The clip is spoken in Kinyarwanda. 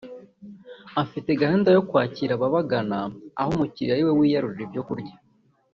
afite gahunda yo kwakira ababagana aho umukiriya ariwe wiyarurira ibyo kurya